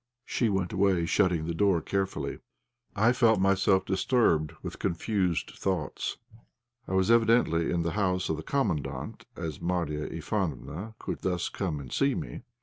She went away, shutting the door carefully. I felt myself disturbed with confused thoughts. I was evidently in the house of the Commandant, as Marya Ivánofna could thus come and see me!